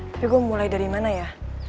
tapi gue mulai dari mana ya